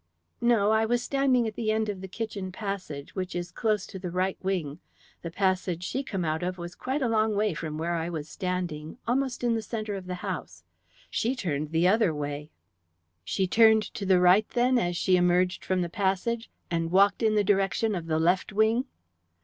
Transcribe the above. "No. I was standing at the end of the kitchen passage, which is close to the right wing. The passage she come out of was quite a long way from where I was standing, almost in the centre of the house. She turned the other way." "She turned to the right, then, as she emerged from the passage, and walked in the direction of the left wing?"